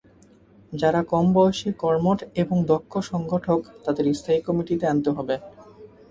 যাঁরা কমবয়সী, কর্মঠ এবং দক্ষ সংগঠক তাঁদের স্থায়ী কমিটিতে আনতে হবে।